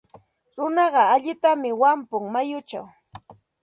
Runaqa allintam wampun mayuchaw.